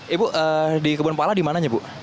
ibu di kebun pala dimananya bu